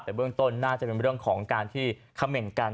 แต่เบื้องต้นน่าจะเป็นเรื่องของการที่คำเมนต์กัน